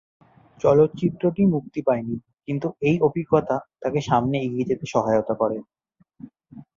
চলচ্চিত্রটি মুক্তি পায়নি, কিন্তু এই অভিজ্ঞতা তাকে সামনে এগিয়ে যেতে সহায়তা করে।